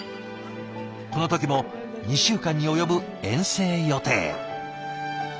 この時も２週間に及ぶ遠征予定。